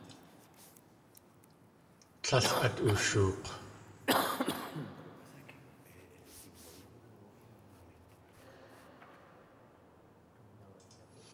Tlél at ushook̲.